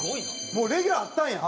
もうレギュラーあったんや。